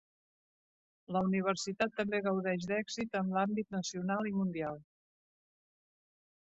La universitat també gaudeix d'èxit en l'àmbit nacional i mundial.